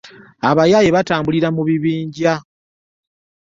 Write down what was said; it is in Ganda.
Abayaye batambulira mu bibinja.